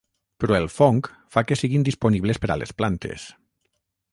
Però el fong fa que siguin disponibles per a les plantes.